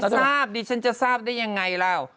อันนี้ไม่ทราบดิฉันจะทราบได้ยังไงแล้ว